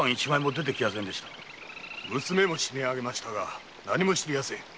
娘も絞めあげましたが何も知りません。